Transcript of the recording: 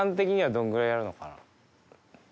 どのぐらいやるのかな？